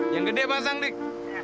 yang gede pasang dik